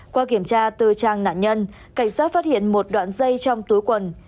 qua kiểm tra từ trang nạn nhân cảnh sát phát hiện một đoạn dây trong túi quần